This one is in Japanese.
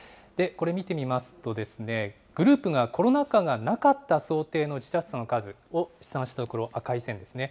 これ、見てみますと、グループがコロナ禍がなかった想定の自殺者の数を試算したこの赤い線ですね。